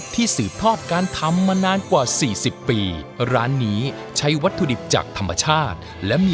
ที่สืบทอบการทำนานกว่าสี่สิบปีร้าน